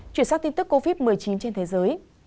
chuyển sang tin tức covid một mươi chín trên thế giới